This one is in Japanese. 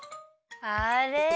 あれ？